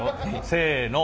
せの。